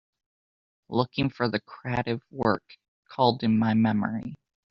Looking for the crative work called In my memory